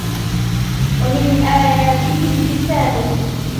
وَمِنْ آيَاتِهِ الْجِسَامِ